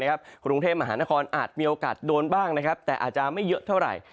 กรุงเทพมหานครอาจมีโอกาสโดนบ้างแต่อาจจะไม่เยอะเท่าไหร่